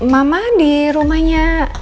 mama di rumahnya